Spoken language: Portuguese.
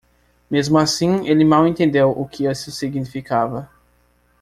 Mesmo assim, ele mal entendeu o que isso significava.